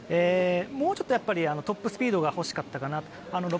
もうちょっとトップスピードが欲しかったかなと。